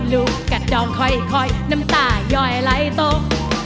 ลูกกัดดองค่อยน้ำตาย่อยไลตก